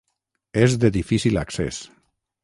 És de difícil accés.